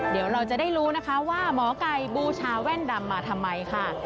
เดี๋ยวเราจะได้รู้นะคะว่าหมอไก่บูชาแว่นดำมาทำไมค่ะ